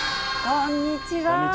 こんにちは。